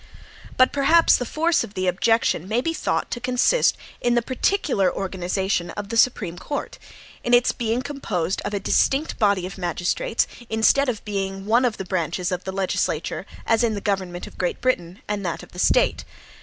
But perhaps the force of the objection may be thought to consist in the particular organization of the Supreme Court; in its being composed of a distinct body of magistrates, instead of being one of the branches of the legislature, as in the government of Great Britain and that of the State.